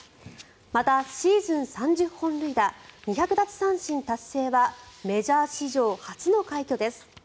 また、シーズン３０本塁打２００奪三振達成はメジャー史上初の快挙です。